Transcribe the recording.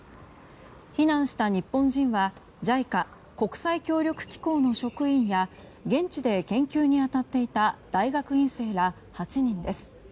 避難した日本人はＪＩＣＡ・国際協力機構の職員や現地で研究に当たっていた大学院生ら８人です。